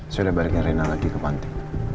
sudah baliknya reina lagi ke panti